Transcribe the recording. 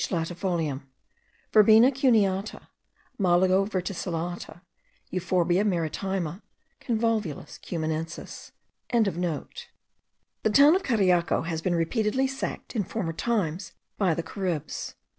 latifolium, Verbena cuneata, Mollugo verticillata, Euphorbia maritima, Convolvulus cumanensis.) The town of Cariaco has been repeatedly sacked in former times by the Caribs.